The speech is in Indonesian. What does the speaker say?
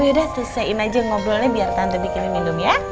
yaudah selesaiin aja ngobrolnya biar tante bikinin minum ya